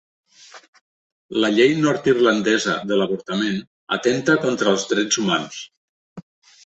La llei nord-irlandesa de l'avortament atempta contra els drets humans